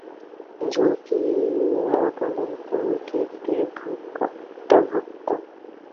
যোগীরা বলেন প্রকৃতি ভোগ্য, আত্মা ভোক্তা।